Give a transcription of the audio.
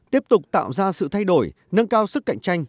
tiếp tục tạo ra sự thay đổi nâng cao sức cạnh tranh